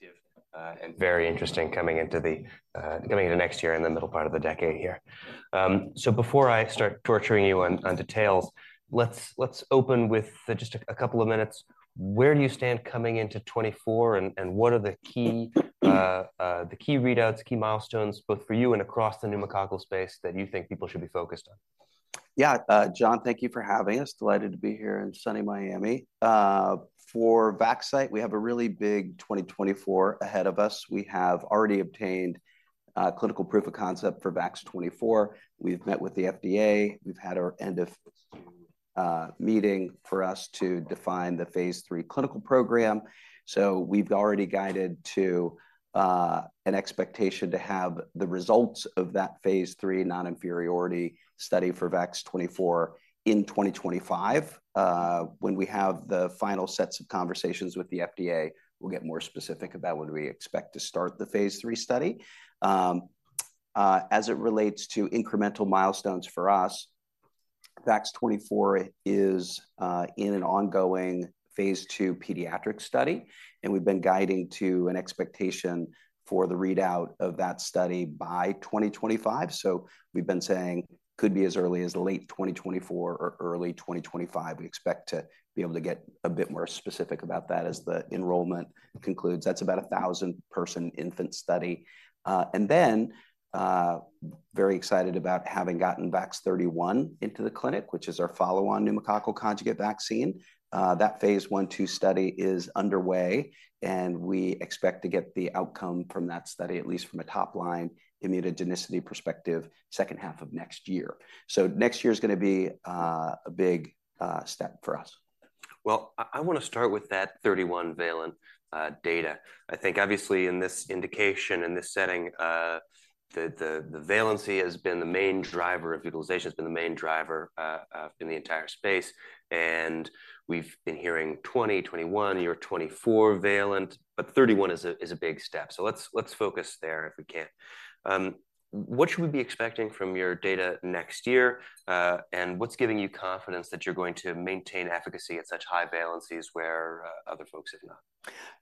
highly active, and very interesting coming into the, coming into next year in the middle part of the decade here. So before I start torturing you on, on details, let's, let's open with just a, a couple of minutes. Where do you stand coming into 2024, and, and what are the key, the key readouts, key milestones, both for you and across the pneumococcal space, that you think people should be focused on? Yeah, John, thank you for having us. Delighted to be here in sunny Miami. For Vaxcyte, we have a really big 2024 ahead of us. We have already obtained clinical proof of concept for VAX-24. We've met with the FDA. We've had our end of meeting for us to define the phase III clinical program. So we've already guided to an expectation to have the results of that phase III non-inferiority study for VAX-24 in 2025. When we have the final sets of conversations with the FDA, we'll get more specific about when we expect to start the phase III study. As it relates to incremental milestones for us, VAX-24 is in an ongoing phase II pediatric study, and we've been guiding to an expectation for the readout of that study by 2025. So we've been saying could be as early as late 2024 or early 2025. We expect to be able to get a bit more specific about that as the enrollment concludes. That's about a 1,000-person infant study. And then, very excited about having gotten VAX-31 into the clinic, which is our follow-on pneumococcal conjugate vaccine. That phase I/II study is underway, and we expect to get the outcome from that study, at least from a top-line immunogenicity perspective, second half of next year. So next year is gonna be a big step for us. Well, I wanna start with that 31-valent data. I think obviously in this indication, in this setting, the valency has been the main driver of utilization, has been the main driver in the entire space, and we've been hearing 20, 21, you're 24-valent, but 31 is a big step. So let's focus there if we can. What should we be expecting from your data next year, and what's giving you confidence that you're going to maintain efficacy at such high valencies where other folks have not?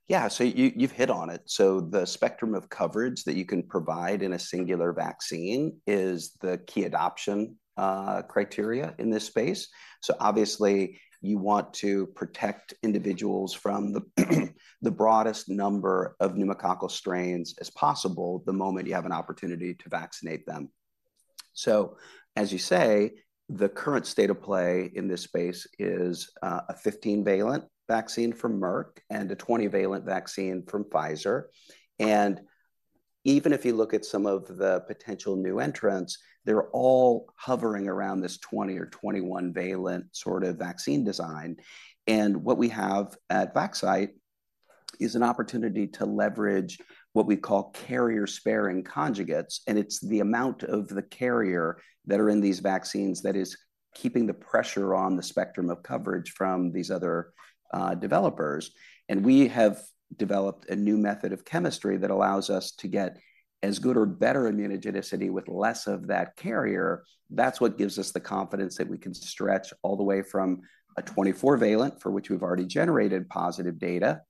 Yeah, so you, you've hit on it. So the spectrum of coverage that you can provide in a singular vaccine is the key adoption criteria in this space. So obviously, you want to protect individuals from the broadest number of pneumococcal strains as possible the moment you have an opportunity to vaccinate them. So, as you say, the current state of play in this space is a 15-valent vaccine from Merck and a 20-valent vaccine from Pfizer. And even if you look at some of the potential new entrants, they're all hovering around this 20 or 21 valent sort of vaccine design. And what we have at Vaxcyte is an opportunity to leverage what we call carrier-sparing conjugates, and it's the amount of the carrier that are in these vaccines that is keeping the pressure on the spectrum of coverage from these other developers. We have developed a new method of chemistry that allows us to get as good or better immunogenicity with less of that carrier. That's what gives us the confidence that we can stretch all the way from a 24-valent, for which we've already generated positive data,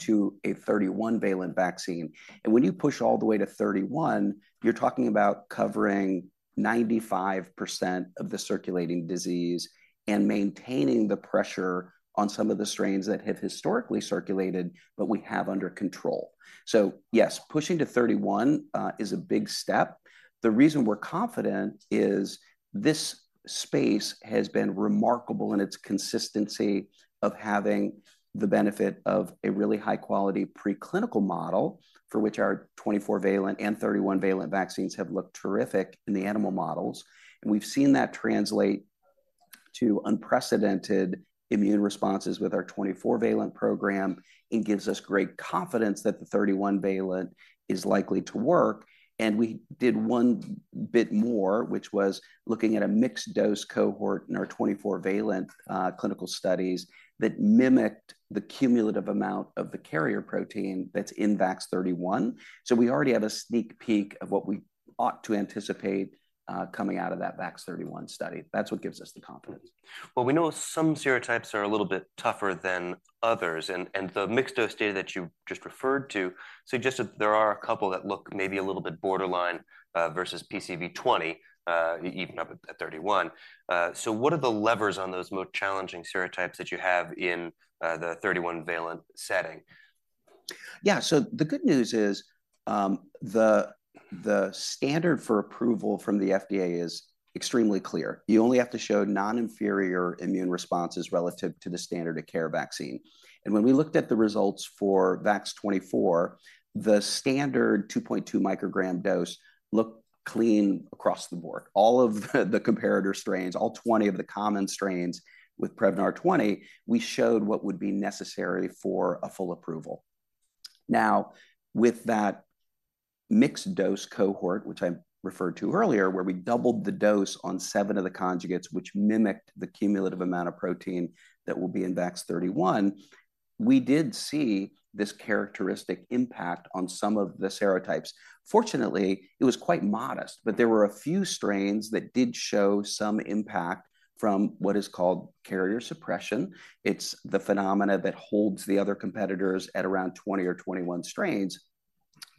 to a 31-valent vaccine. And when you push all the way to 31, you're talking about covering 95% of the circulating disease and maintaining the pressure on some of the strains that have historically circulated, but we have under control. So yes, pushing to 31 is a big step. The reason we're confident is this space has been remarkable in its consistency of having the benefit of a really high-quality preclinical model, for which our 24-valent and 31-valent vaccines have looked terrific in the animal models. We've seen that translate to unprecedented immune responses with our 24-valent program and gives us great confidence that the 31-valent is likely to work. We did one bit more, which was looking at a mixed-dose cohort in our 24-valent clinical studies that mimicked the cumulative amount of the carrier protein that's in VAX-31. We already have a sneak peek of what we ought to anticipate coming out of that VAX-31 study. That's what gives us the confidence. Well, we know some serotypes are a little bit tougher than others, and the mixed-dose data that you just referred to suggests that there are a couple that look maybe a little bit borderline versus PCV20, even up at 31. So what are the levers on those most challenging serotypes that you have in the 31-valent setting? Yeah, so the good news is, the standard for approval from the FDA is extremely clear. You only have to show non-inferior immune responses relative to the standard of care vaccine. And when we looked at the results for VAX-24, the standard 2.2 microgram dose looked clean across the board. All of the comparator strains, all 20 of the common strains PREVNAR 20, we showed what would be necessary for a full approval. Now, with that mixed-dose cohort, which I referred to earlier, where we doubled the dose on seven of the conjugates, which mimicked the cumulative amount of protein that will be in VAX-31, we did see this characteristic impact on some of the serotypes. Fortunately, it was quite modest, but there were a few strains that did show some impact from what is called carrier suppression. It's the phenomenon that holds the other competitors at around 20 or 21 strains.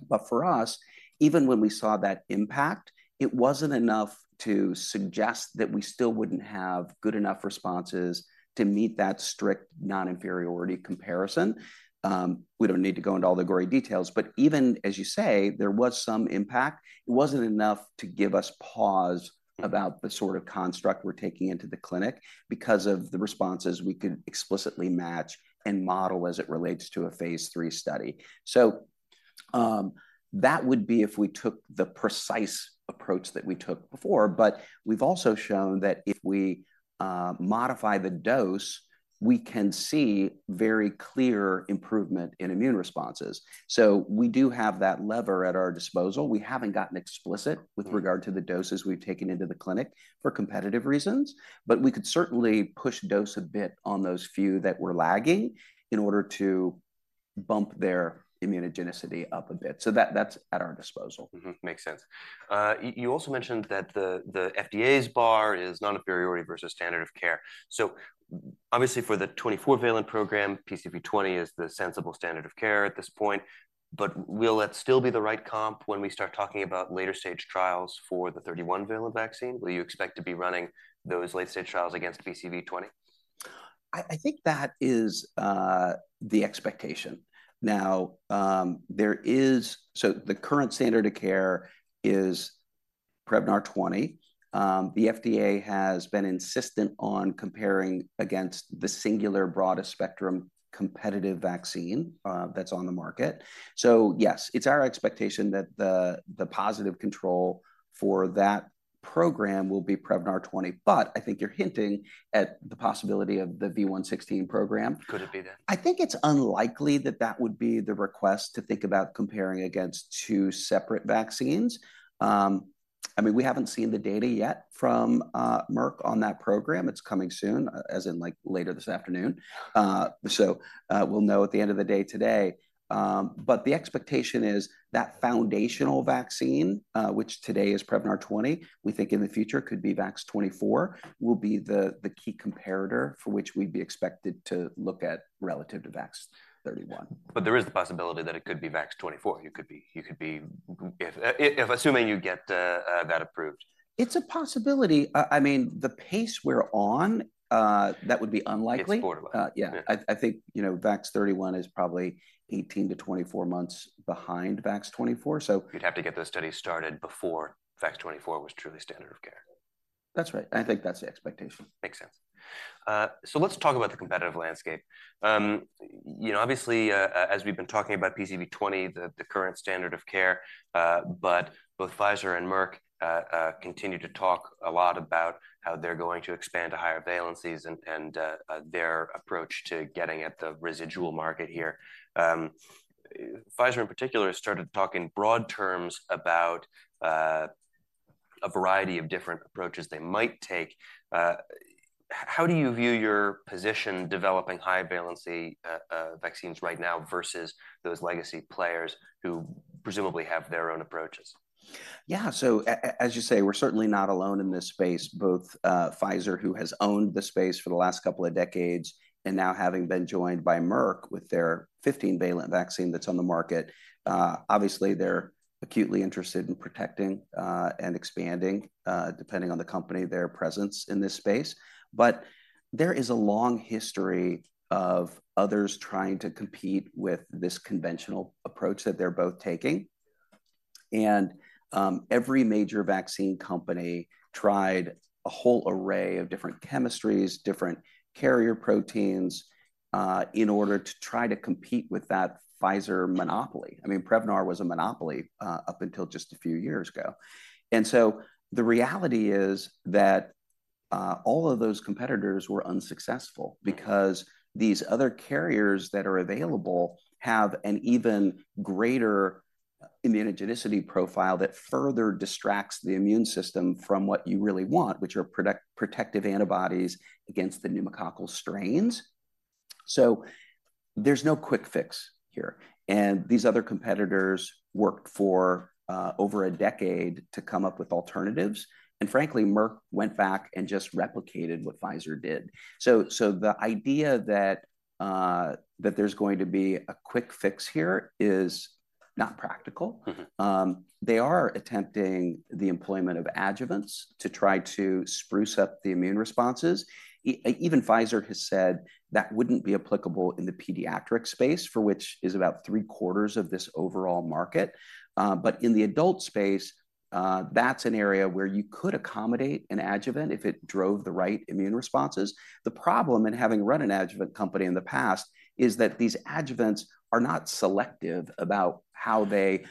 But for us, even when we saw that impact, it wasn't enough to suggest that we still wouldn't have good enough responses to meet that strict non-inferiority comparison. We don't need to go into all the gory details, but even as you say, there was some impact, it wasn't enough to give us pause about the sort of construct we're taking into the clinic because of the responses we could explicitly match and model as it relates to a phase III study. So, that would be if we took the precise approach that we took before, but we've also shown that if we modify the dose, we can see very clear improvement in immune responses. So we do have that lever at our disposal. We haven't gotten explicit with regard to the doses we've taken into the clinic for competitive reasons, but we could certainly push dose a bit on those few that were lagging in order to bump their immunogenicity up a bit. So that's at our disposal. Mm-hmm. Makes sense. You also mentioned that the FDA's bar is non-inferiority versus standard of care. So obviously, for the 24-valent program, PCV20 is the sensible standard of care at this point, but will that still be the right comp when we start talking about later-stage trials for the 31-valent vaccine? Will you expect to be running those late-stage trials against PCV20? I think that is the expectation. Now, so the current standard of care is PREVNAR 20. The FDA has been insistent on comparing against the singular broadest spectrum competitive vaccine that's on the market. So yes, it's our expectation that the positive control for that program will be PREVNAR 20, but I think you're hinting at the possibility of the V116 program. Could it be that? I think it's unlikely that that would be the request to think about comparing against two separate vaccines. I mean, we haven't seen the data yet from Merck on that program. It's coming soon, as in, like, later this afternoon. So, we'll know at the end of the day today. But the expectation is that foundational vaccine, which today is PREVNAR 20, we think in the future could be VAX-24, will be the, the key comparator for which we'd be expected to look at relative to VAX-31. But there is the possibility that it could be VAX-24. You could be, you could be... Assuming you get that approved. It's a possibility. I mean, the pace we're on, that would be unlikely. It's borderline. Uh, yeah. Yeah. I think, you know, VAX-31 is probably 18-24 months behind VAX-24, so- You'd have to get those studies started before VAX-24 was truly standard of care. That's right. I think that's the expectation. Makes sense. So let's talk about the competitive landscape. You know, obviously, as we've been talking about PCV20, the current standard of care, but both Pfizer and Merck continue to talk a lot about how they're going to expand to higher valencies and their approach to getting at the residual market here. Pfizer, in particular, has started talking broad terms about a variety of different approaches they might take. How do you view your position developing high valency vaccines right now versus those legacy players who presumably have their own approaches? Yeah. So as you say, we're certainly not alone in this space. Both, Pfizer, who has owned the space for the last couple of decades, and now having been joined by Merck with their 15-valent vaccine that's on the market, obviously, they're acutely interested in protecting, and expanding, depending on the company, their presence in this space. But there is a long history of others trying to compete with this conventional approach that they're both taking. And every major vaccine company tried a whole array of different chemistries, different carrier proteins, in order to try to compete with that Pfizer monopoly. I mean, Prevnar was a monopoly, up until just a few years ago. The reality is that all of those competitors were unsuccessful because these other carriers that are available have an even greater immunogenicity profile that further distracts the immune system from what you really want, which are protective antibodies against the pneumococcal strains. So there's no quick fix here. And these other competitors worked for over a decade to come up with alternatives, and frankly, Merck went back and just replicated what Pfizer did. So the idea that there's going to be a quick fix here is not practical. Mm-hmm. They are attempting the employment of adjuvants to try to spruce up the immune responses. Even Pfizer has said that wouldn't be applicable in the pediatric space, for which is about 3/4 of this overall market. But in the adult space, that's an area where you could accommodate an adjuvant if it drove the right immune responses. The problem, in having run an adjuvant company in the past, is that these adjuvants are not selective about how they,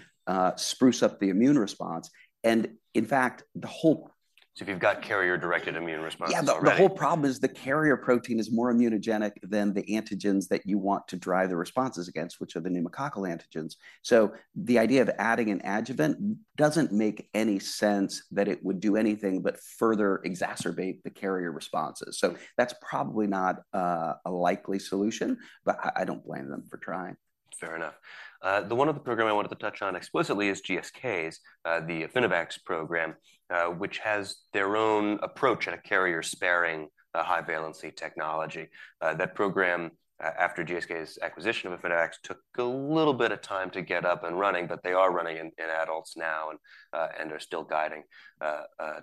spruce up the immune response, and in fact, the whole- So if you've got carrier-directed immune responses already- Yeah, the whole problem is the carrier protein is more immunogenic than the antigens that you want to drive the responses against, which are the pneumococcal antigens. So the idea of adding an adjuvant doesn't make any sense that it would do anything but further exacerbate the carrier responses. So that's probably not a likely solution, but I don't blame them for trying. Fair enough. The one other program I wanted to touch on explicitly is GSK's, the Affinivax program, which has their own approach in a carrier-sparing high-valency technology. That program, after GSK's acquisition of Affinivax, took a little bit of time to get up and running, but they are running in adults now and are still guiding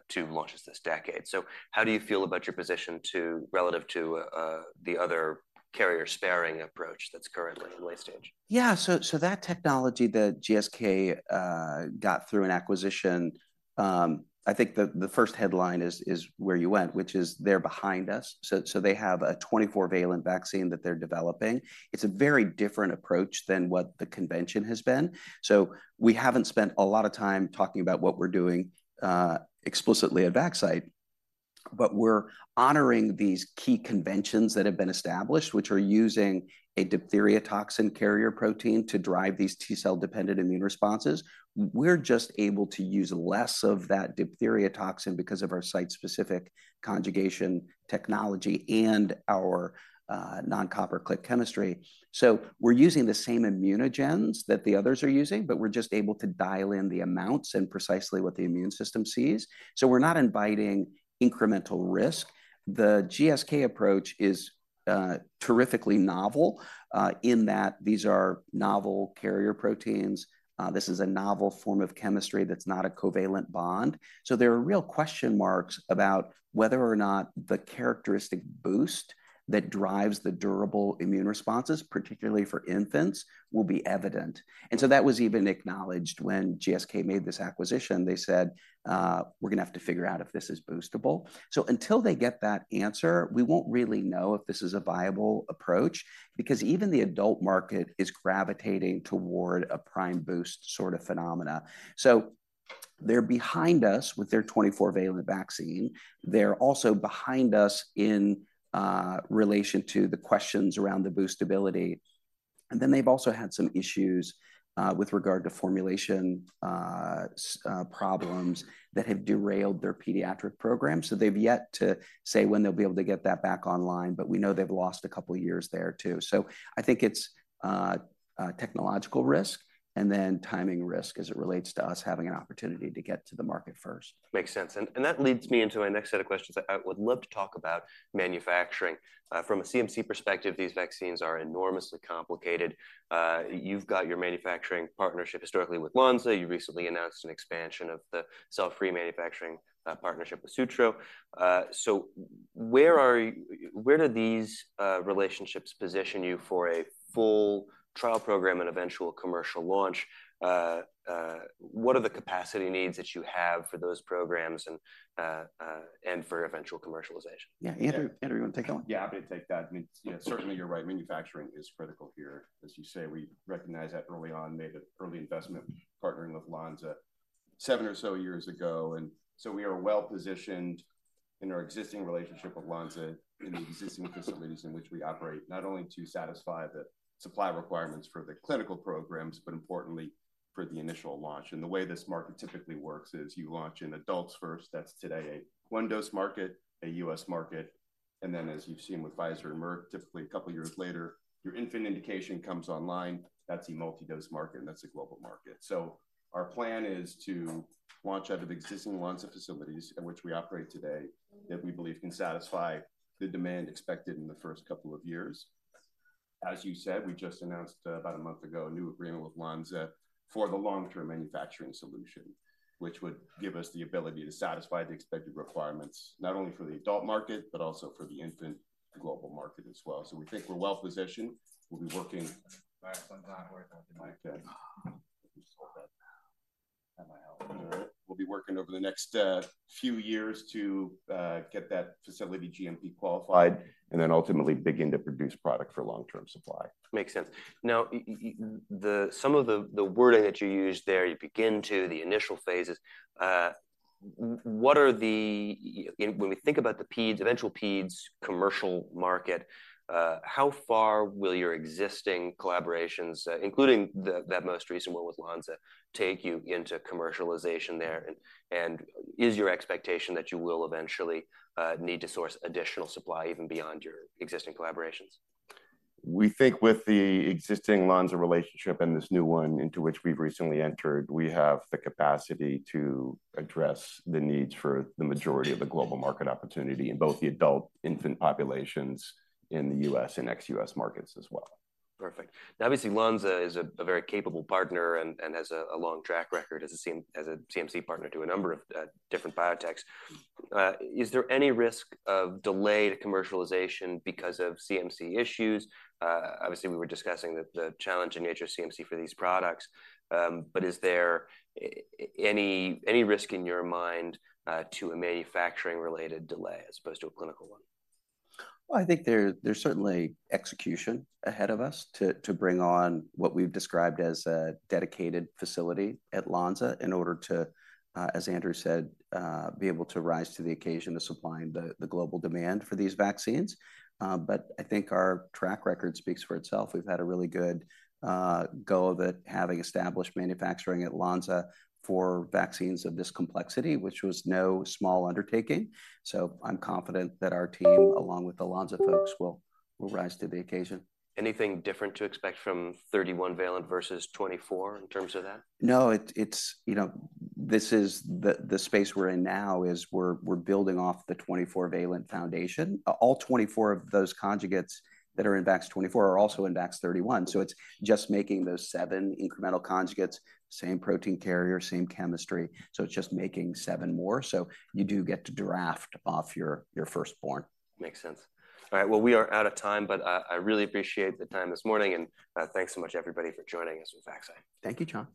two launches this decade. So how do you feel about your position relative to the other carrier-sparing approach that's currently in late-stage? Yeah. So that technology that GSK got through an acquisition, I think the first headline is where you went, which is they're behind us. So they have a 24-valent vaccine that they're developing. It's a very different approach than what the convention has been. So we haven't spent a lot of time talking about what we're doing explicitly at Vaxcyte, but we're honoring these key conventions that have been established, which are using a diphtheria toxin carrier protein to drive these T-cell-dependent immune responses. We're just able to use less of that diphtheria toxin because of our site-specific conjugation technology and our non-copper click chemistry. So we're using the same immunogens that the others are using, but we're just able to dial in the amounts and precisely what the immune system sees. So we're not inviting incremental risk. The GSK approach is, terrifically novel, in that these are novel carrier proteins. This is a novel form of chemistry that's not a covalent bond. So there are real question marks about whether or not the characteristic boost that drives the durable immune responses, particularly for infants, will be evident. And so that was even acknowledged when GSK made this acquisition. They said, "We're gonna have to figure out if this is boostable." So until they get that answer, we won't really know if this is a viable approach, because even the adult market is gravitating toward a prime boost sort of phenomena. So they're behind us with their 24-valent vaccine. They're also behind us in, relation to the questions around the boostability. And then they've also had some issues with regard to formulation, problems that have derailed their pediatric program. So they've yet to say when they'll be able to get that back online, but we know they've lost a couple of years there, too. So I think it's a technological risk, and then timing risk as it relates to us having an opportunity to get to the market first. Makes sense. And that leads me into my next set of questions. I would love to talk about manufacturing. From a CMC perspective, these vaccines are enormously complicated. You've got your manufacturing partnership historically with Lonza. You recently announced an expansion of the cell-free manufacturing partnership with Sutro. So where do these relationships position you for a full trial program and eventual commercial launch? What are the capacity needs that you have for those programs and for eventual commercialization? Yeah. Andrew, Andrew, you want to take that one? Yeah, I'm happy to take that. I mean, yeah, certainly, you're right, manufacturing is critical here. As you say, we recognized that early on, made an early investment partnering with Lonza 7 or so years ago, and so we are well positioned in our existing relationship with Lonza, in the existing facilities in which we operate, not only to satisfy the supply requirements for the clinical programs, but importantly, for the initial launch. The way this market typically works is you launch in adults first. That's today, a one-dose market, a U.S. market, and then, as you've seen with Pfizer and Merck, typically a couple of years later, your infant indication comes online. That's a multi-dose market, and that's a global market. So our plan is to launch out of existing Lonza facilities in which we operate today, that we believe can satisfy the demand expected in the first couple of years. As you said, we just announced about a month ago a new agreement with Lonza for the long-term manufacturing solution, which would give us the ability to satisfy the expected requirements, not only for the adult market, but also for the infant global market as well. So we think we're well positioned. We'll be working over the next few years to get that facility GMP qualified and then ultimately begin to produce product for long-term supply. Makes sense. Now, some of the wording that you used there, you begin to the initial phases, what are the... When we think about the peds, eventual peds commercial market, how far will your existing collaborations, including that most recent one with Lonza, take you into commercialization there? And is your expectation that you will eventually need to source additional supply even beyond your existing collaborations? We think with the existing Lonza relationship and this new one into which we've recently entered, we have the capacity to address the needs for the majority of the global market opportunity in both the adult, infant populations in the U.S. and ex-US markets as well. Perfect. Now, obviously, Lonza is a very capable partner and has a long track record as a CMC partner to a number of different biotechs. Is there any risk of delayed commercialization because of CMC issues? Obviously, we were discussing the challenging nature of CMC for these products, but is there any risk in your mind to a manufacturing-related delay as opposed to a clinical one? Well, I think there's certainly execution ahead of us to bring on what we've described as a dedicated facility at Lonza in order to, as Andrew said, be able to rise to the occasion to supplying the global demand for these vaccines. But I think our track record speaks for itself. We've had a really good go of it, having established manufacturing at Lonza for vaccines of this complexity, which was no small undertaking. So I'm confident that our team, along with the Lonza folks, will rise to the occasion. Anything different to expect from 31-valent versus 24 in terms of that? No, it's, you know, this is the space we're in now is we're building off the 24-valent foundation. All 24 of those conjugates that are in VAX-24 are also in VAX-31, so it's just making those seven incremental conjugates, same protein carrier, same chemistry, so it's just making seven more, so you do get to draft off your firstborn. Makes sense. All right, well, we are out of time, but I really appreciate the time this morning, and thanks so much, everybody, for joining us from Vaxcyte. Thank you, John.